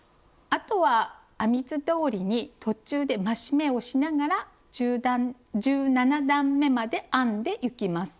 あとは編み図どおりに途中で増し目をしながら１７段めまで編んでいきます。